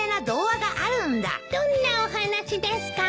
どんなお話ですか？